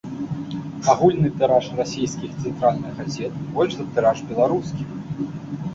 Агульны тыраж расійскіх цэнтральных газет большы за тыраж беларускіх.